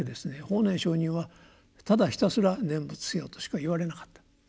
法然上人は「ただひたすら念仏せよ」としか言われなかった。